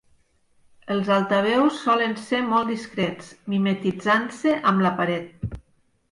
Els altaveus solen ser molt discrets, mimetitzant-se amb la paret.